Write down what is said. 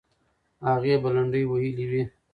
هغې به لنډۍ ویلې وي.